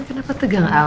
kenapa tegang al